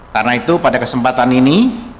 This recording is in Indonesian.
karena itu pada kesempatan ini